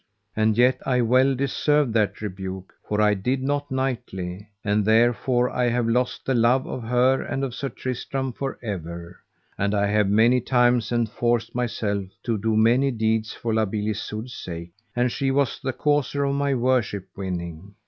And yet I well deserved that rebuke, for I did not knightly, and therefore I have lost the love of her and of Sir Tristram for ever; and I have many times enforced myself to do many deeds for La Beale Isoud's sake, and she was the causer of my worship winning.